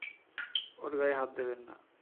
ওর গায়ে হাত দেবেন না!